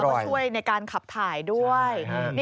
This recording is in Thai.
ค่ะแล้วก็ช่วยในการขับถ่ายด้วย